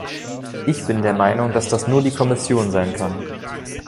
Ich bin der Meinung, dass das nur die Kommission sein kann.